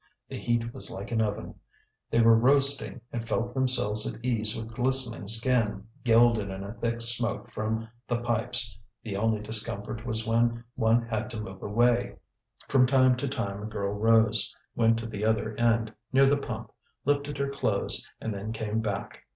The heat was like an oven; they were roasting and felt themselves at ease with glistening skin, gilded in a thick smoke from the pipes; the only discomfort was when one had to move away; from time to time a girl rose, went to the other end, near the pump, lifted her clothes, and then came back.